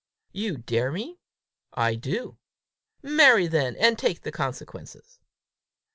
"You dare me?" "I do." "Marry, then, and take the consequences."